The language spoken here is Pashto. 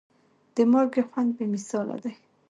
د مالګې خوند بې مثاله دی.